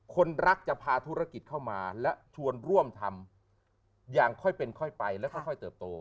คนรักจะพาธุรกิจเข้ามาและชวนร่วมทำอย่างค่อยเป็นค่อยไปและค่อยเติบโต